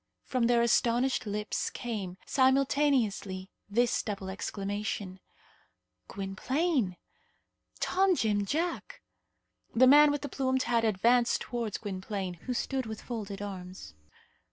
From their astonished lips came, simultaneously, this double exclamation: "Gwynplaine!" "Tom Jim Jack!" The man with the plumed hat advanced towards Gwynplaine, who stood with folded arms.